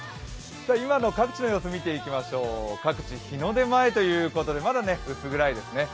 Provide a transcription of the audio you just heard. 今の各地の様子、見ていきましょう各地、日の出前ということでまだ薄暗いですね